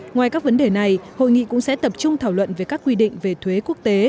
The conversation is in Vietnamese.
ngoài các vấn đề này hội nghị cũng sẽ tập trung thảo luận về các quy định về thuế quốc tế